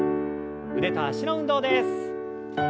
腕と脚の運動です。